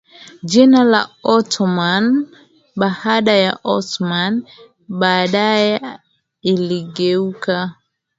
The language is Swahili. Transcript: jina la Ottoman baada ya Osman Baadaye iligeuka